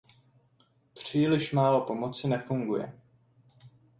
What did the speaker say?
Příliš málo pomoci nefunguje.